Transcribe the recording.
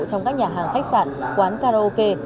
trong các nhà hàng khách sạn quán karaoke